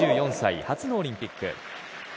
２３歳初のオリンピック。